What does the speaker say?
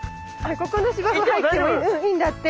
ここの芝生入ってもいいんだって。